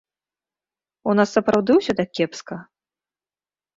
У нас сапраўды ўсё так кепска?